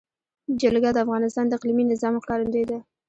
جلګه د افغانستان د اقلیمي نظام ښکارندوی ده.